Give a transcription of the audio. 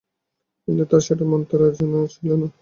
কিন্তু তারা সেটা মানতে রাজি ছিল না।